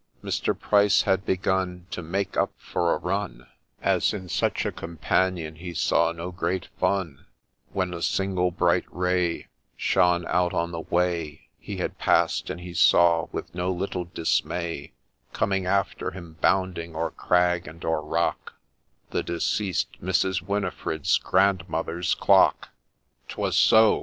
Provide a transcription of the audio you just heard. Mr. Pryce had begun To ' make up ' for a run, As in such a companion he saw no great fun, When a single bright ray Shone out on the way He had passed, and he saw, with no little dismay, Coming after him, bounding o'er crag and o'er rock, The deceased Mrs. Winifred's ' Grandmother's Clock !' 'Twas so